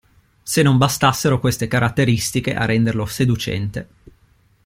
Se non bastassero queste caratteristiche a renderlo seducente.